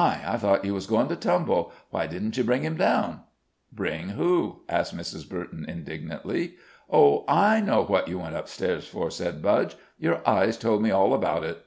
I thought you was goin' to tumble! Why didn't you bring him down?" "Bring who?" asked Mrs. Burton, indignantly. "Oh, I know what you went up stairs for?" said Budge. "Your eyes told me all about it."